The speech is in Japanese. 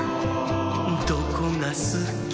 「どこがすき？」